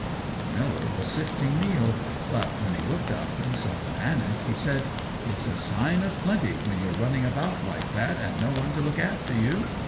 The miller was sifting meal; but when he looked up and saw the bannock, he said, "It's a sign of plenty when you're running about like that and no one to look after you.